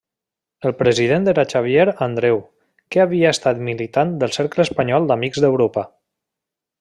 El president era Xavier Andreu, que havia estat militant del Cercle Espanyol d'Amics d'Europa.